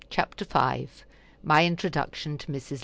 CHAPTER V MY INTRODUCTION TO MRS.